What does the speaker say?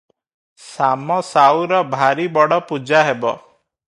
ଶାମ ସାଉର ଭାରି ବଡ଼ ପୂଜା ହେବ ।